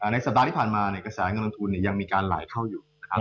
ในสัปดาห์ที่ผ่านมากระแสเงินลงทุนยังมีการไหลเข้าอยู่นะครับ